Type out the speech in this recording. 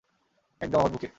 একদম আমার বুকে।